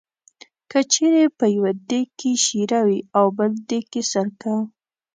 که چېرې په یو دېګ کې شېره وي او بل دېګ کې سرکه.